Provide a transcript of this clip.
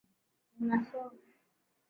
Ninasoma.